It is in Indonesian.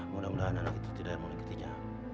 mudah mudahan anak itu tidak yang mau mengikutinya